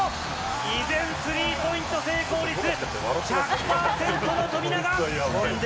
依然、スリーポイント成功率１００％の富永。